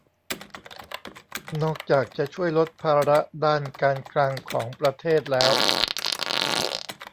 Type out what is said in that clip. นอกจากจะช่วยลดภาระด้านการคลังของประเทศแล้ว